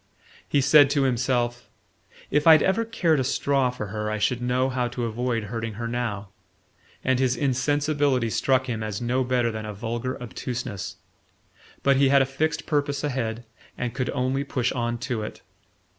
He said to himself: "If I'd ever cared a straw for her I should know how to avoid hurting her now" and his insensibility struck him as no better than a vulgar obtuseness. But he had a fixed purpose ahead and could only push on to it.